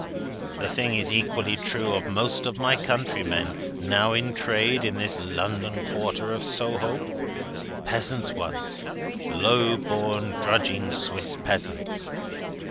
The thing is equally true of most of my countrymen, now in trade in this your London quarter of Soho. Peasants once; low born drudging Swiss Peasants.